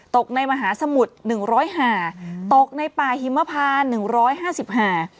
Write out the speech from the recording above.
ตกในมหาสมุทร๑๐๕หาตกในป่าหิมพา๑๕๕หา